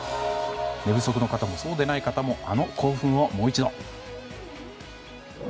寝不足の方もそうでない方もあの興奮をもう一度。